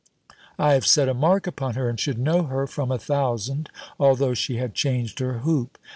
I have set a mark upon her, and should know her from a thousand, although she had changed her hoop."